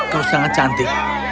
kau sangat cantik